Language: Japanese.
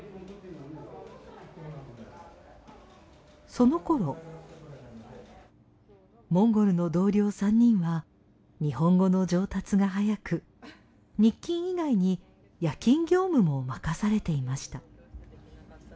そのころモンゴルの同僚３人は日本語の上達が早く日勤以外に夜勤業務も任されていました。